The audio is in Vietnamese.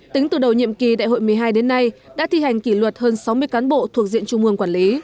tính từ đầu nhiệm kỳ đại hội một mươi hai đến nay đã thi hành kỷ luật hơn sáu mươi cán bộ thuộc diện trung ương quản lý